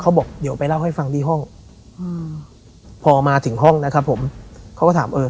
บอกเดี๋ยวไปเล่าให้ฟังที่ห้องอืมพอมาถึงห้องนะครับผมเขาก็ถามเออ